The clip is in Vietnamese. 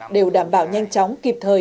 đều đảm bảo nhanh chóng kịp thời